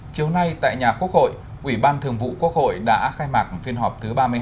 chiều nay tại nhà quốc hội ủy ban thường vụ quốc hội đã khai mạc phiên họp thứ ba mươi hai